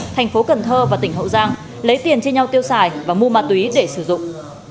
thành phố cần thơ và tỉnh hậu giang lấy tiền chia nhau tiêu xài và mua ma túy để sử dụng